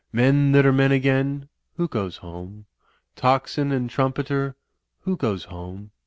Men that are men again; who goes home? Tocsin and trumpeter! Who goes home?